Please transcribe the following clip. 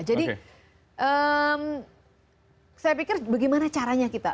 saya pikir bagaimana caranya kita